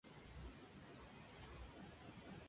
El Partido de Alfaro contaba como centro la ciudad de Alfaro.